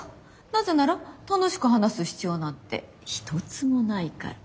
なぜなら楽しく話す必要なんて一つもないから。